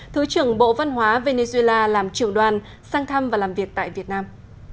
thứ trưởng bộ văn hóa venezuela làm trưởng đoàn sang thăm và làm việc tại việt nam